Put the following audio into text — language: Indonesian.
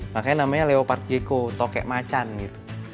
makanya namanya leopard gecko tokek macan gitu